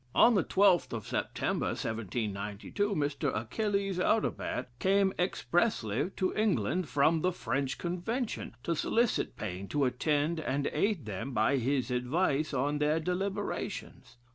On the 12th of September, 1792, Mr. Achilles Audibert came expressly to England, from the French Convention, to solicit Paine to attend and aid them, by his advice, in their deliberations.